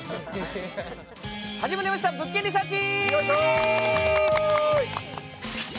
始まりました「物件リサーチ」！